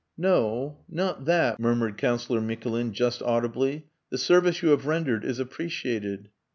"No. Not that," murmured Councillor Mikulin, just audibly. "The service you have rendered is appreciated...."